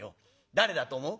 誰だと思う？」。